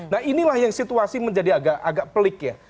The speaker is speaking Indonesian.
nah inilah yang situasi menjadi agak pelik ya